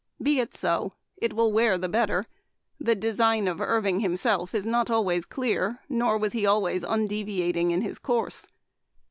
Be it so. It will wear the better ; the design of Irving himself is not always clear, nor was he always undeviating in his course.